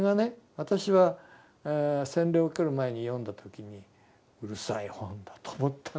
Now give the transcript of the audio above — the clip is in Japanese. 私は洗礼を受ける前に読んだ時にうるさい本だと思ったんですよ。